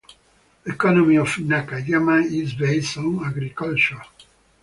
The economy of Nakayama is based on agriculture.